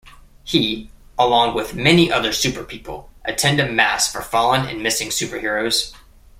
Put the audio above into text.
He, along with many other superpeople, attend a mass for fallen and missing superheroes.